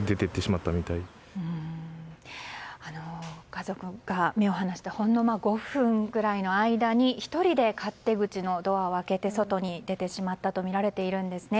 家族が目を離したほんの５分くらいの間に１人で勝手口のドアを開けて外に出てしまったとみられているんですね。